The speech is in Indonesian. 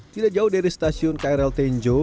tidak jauh dari stasiun krl tenjo